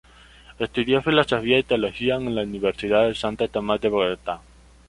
Estudió filosofía y teología en la Universidad de Santo Tomás de Bogotá.